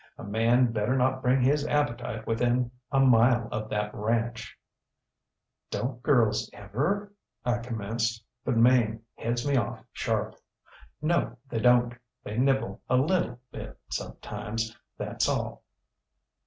A man better not bring his appetite within a mile of that ranch. ŌĆÖ ŌĆ£ŌĆśDonŌĆÖt girls everŌĆöŌĆÖ I commenced, but Mame heads me off, sharp. ŌĆ£ŌĆśNo, they donŌĆÖt. They nibble a little bit sometimes; thatŌĆÖs all.